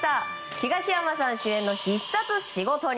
東山さん主演の「必殺仕事人」。